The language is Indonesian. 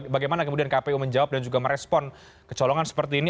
bagaimana kemudian kpu menjawab dan juga merespon kecolongan seperti ini